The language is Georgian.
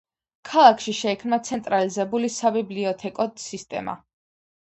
ქალაქში შეიქმნა ცენტრალიზირებული საბიბლიოთეკო სისტემა.